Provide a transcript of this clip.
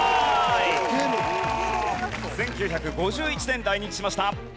１９５１年来日しました。